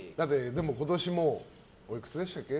今年もうおいくつでしたっけ？